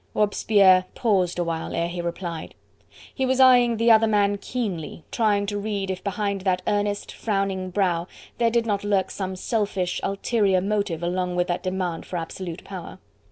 Robespierre paused a while ere he replied; he was eying the other man keenly, trying to read if behind that earnest, frowning brow there did not lurk some selfish, ulterior motive along with that demand for absolute power.